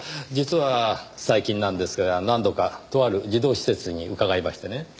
実は最近なんですが何度かとある児童施設に伺いましてね。